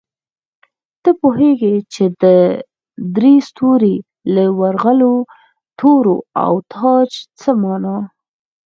ته پوهېږې چې درې ستوري، له ورغلو تورو او تاج څه مانا؟